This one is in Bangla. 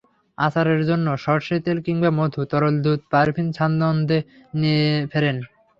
আচারের জন্য সর্ষের তেল কিংবা মধু, তরল দুধ পারভীন সানন্দে নিয়ে ফেরেন।